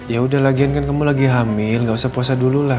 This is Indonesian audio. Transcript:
ya udah lagian kan kamu lagi hamil gak usah puasa dululah